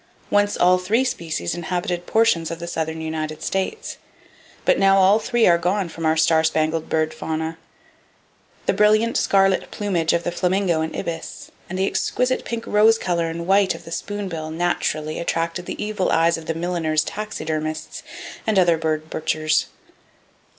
Once all three species inhabited portions of the southern United States; but now all three are gone from our star spangled bird fauna. The brilliant scarlet plumage of the flamingo and ibis, and the exquisite pink rose color and white of the spoonbill naturally attracted the evil eyes of the "milliner's taxidermists" and other bird butchers.